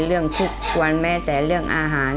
เรื่องทุกวันแม้แต่เรื่องอาหาร